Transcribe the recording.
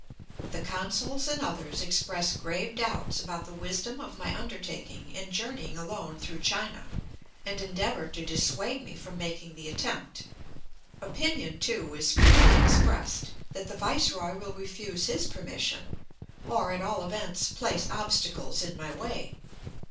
The consuls and others express grave doubts about the wisdom of my undertaking in journeying alone through China, and endeavor to dissuade me from making the attempt. Opinion, too, is freely expressed that the Viceroy will refuse his permission, or, at all events, place obstacles in my way.